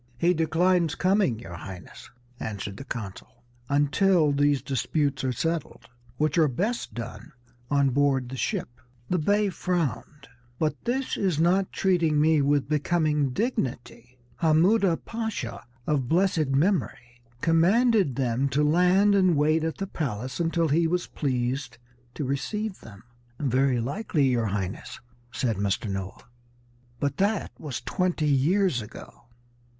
"He declines coming, your Highness," answered the consul, "until these disputes are settled, which are best done on board the ship." The Bey frowned. "But this is not treating me with becoming dignity. Hammuda Pasha, of blessed memory, commanded them to land and wait at the palace until he was pleased to receive them." "Very likely, your Highness," said Mr. Noah, "but that was twenty years ago."